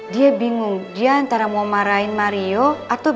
dia bingung dia antara mau marahin mariam dia bingung